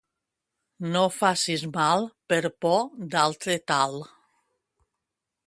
No facis mal per por d'altre tal.